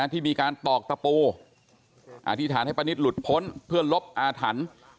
ที่มีการตอกตะปูอธิษฐานให้ป้านิตหลุดพ้นเพื่อลบอาถรรพ์